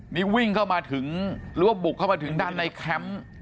นี่วิ่งเข้ามาถึงหรือว่าบุกเข้ามาถึงด้านในแคมป์